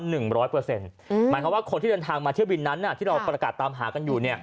หมายความว่าคนที่เดินทางมาเที่ยวบินนั้นที่เราประกาศตามหากันอยู่เนี่ย